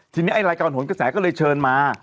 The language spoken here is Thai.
ทีนี้ไอ้รายการหนกระแสก็เลยเชิญมา